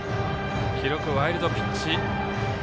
記録はワイルドピッチ。